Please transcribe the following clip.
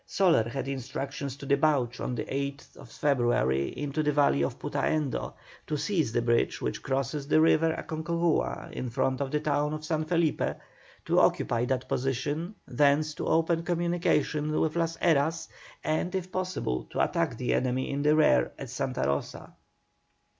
Soler had instructions to debouch on the 8th February into the valley of Putaendo, to seize the bridge which crosses the river Aconcagua in front of the town of San Felipe, to occupy that position, thence to open communications with Las Heras, and, if possible, to attack the enemy in the rear at Santa Rosa.